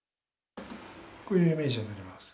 こういうイメージになります。